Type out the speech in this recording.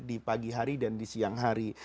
di pagi hari dan di siang hari